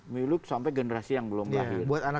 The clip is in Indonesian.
milu sampai generasi yang belum lahir